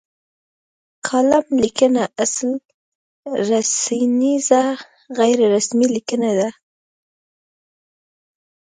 کالم لیکنه اصلا رسنیزه غیر رسمي لیکنه ده.